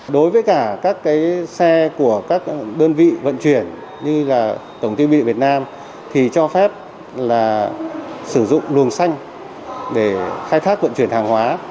đối với cả các xe của các đơn vị vận chuyển như là tp hcm thì cho phép là sử dụng luồng xanh để khai thác vận chuyển hàng hóa